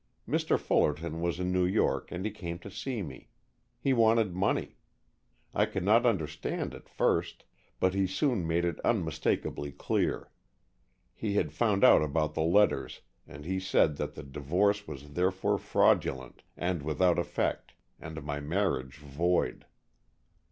Mr. Fullerton was in New York and he came to see me. He wanted money. I could not understand at first, but he soon made it unmistakably clear. He had found out about the letters, and he said that the divorce was therefore fraudulent and without effect, and my marriage void."